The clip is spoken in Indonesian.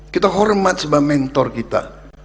kita hormat sebab mentor kita